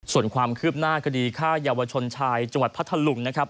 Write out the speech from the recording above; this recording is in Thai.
ส่วนความคืบหน้าคดีฆ่าเยาวชนชายจังหวัดพัทธลุงนะครับ